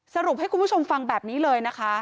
สรุปให้คุณผู้ชมฟังแบบนี้เลยนะคะ